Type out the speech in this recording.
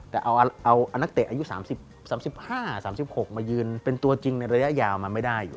แต่เอานักเตะอายุ๓๕๓๖มายืนเป็นตัวจริงในระยะยาวมันไม่ได้อยู่